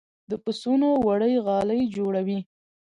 د پسونو وړۍ غالۍ جوړوي